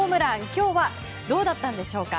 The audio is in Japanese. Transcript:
今日はどうだったんでしょうか。